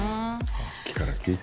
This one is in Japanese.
さっきから聞い